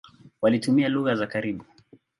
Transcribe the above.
Walitumia lugha za karibu.